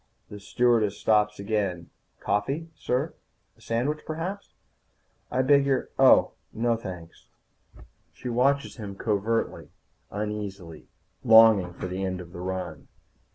The stewardess stops again. "Coffee, sir? A sandwich, perhaps?" "I beg your Oh, no. No, thanks." She watches him covertly, uneasily, longing for the end of the run.